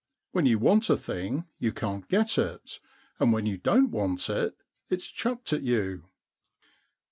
When you want a thing you can't get it, and when you don't want it it's chucked at you.'